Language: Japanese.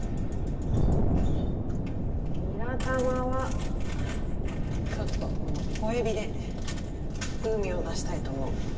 ニラ玉はちょっとこの小エビで風味を出したいと思う。